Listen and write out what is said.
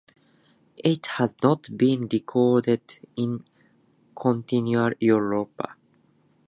It has not been recorded in continental Europe.